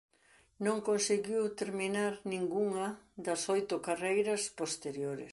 Non conseguiu terminar ningunha das oito carreiras posteriores.